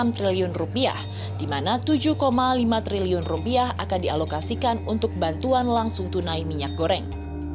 enam triliun rupiah di mana rp tujuh lima triliun rupiah akan dialokasikan untuk bantuan langsung tunai minyak goreng